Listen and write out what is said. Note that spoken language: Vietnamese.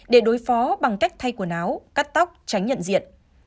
để đối phó bằng cách thay quần áo cắt tóc tránh nhận diện